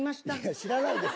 知らないです。